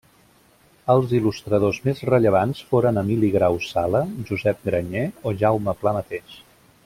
Els il·lustradors més rellevants foren Emili Grau Sala, Josep Granyer, o Jaume Pla mateix.